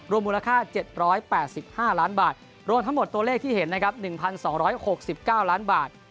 มูลค่า๗๘๕ล้านบาทรวมทั้งหมดตัวเลขที่เห็นนะครับ๑๒๖๙ล้านบาท